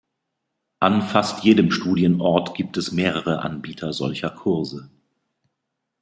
An fast jedem Studienort gibt es mehrere Anbieter solcher Kurse.